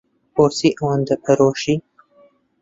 بۆچی ئەوەندە پەرۆشی؟